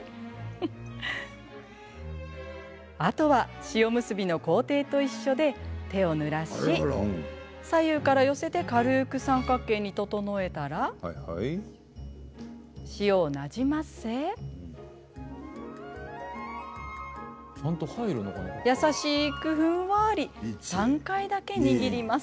あとは塩むすびの工程と一緒で手をぬらし左右から寄せて軽く三角形に整えたら塩をなじませ優しく、ふんわり３回だけ握ります。